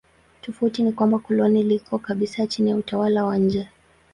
Tofauti ni kwamba koloni liko kabisa chini ya utawala wa nje.